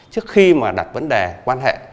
trước khi mà đặt vấn đề quan hệ